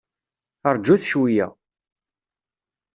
Rjut cweyya!